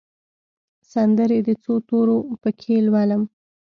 سندرې د څو تورو پکښې لولم